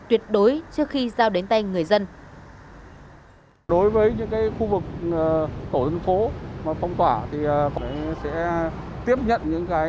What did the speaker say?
tuyệt đối trước khi giao đến tay người dân